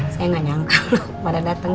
saya gak nyangka pada dateng